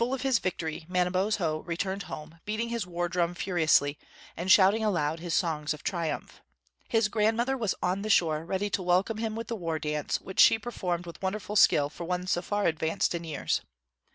Full of his victory, Manabozho returned home, beating his war drum furiously and shouting aloud his songs of triumph. His grandmother was on the shore ready to welcome him with the war dance, which she performed with wonderful skill for one so far advanced in years.